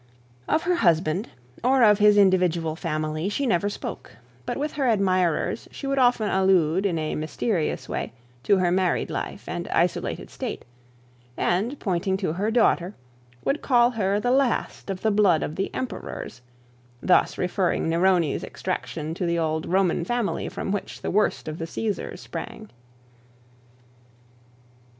Of her husband, or of his individual family, she never spoke; but with her admirers she would often allude in a mysterious way to her married life and isolated state, and, pointing to her daughter, would call her the last of the blood of the emperors, thus referring Neroni's extraction to the old Roman family from which the worst of the Caesars sprang.